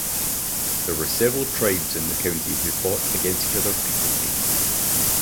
There were several tribes in the country who fought against each other frequently.